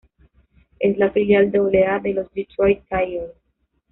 Es la filial Doble-A de los Detroit Tigers.